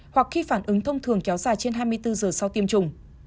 hoặc khi phản ứng thông thường kéo dài trên hai mươi bốn giờ sau tiêm chủng